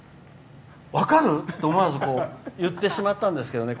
分かる？と思わず言ってしまったんですけどね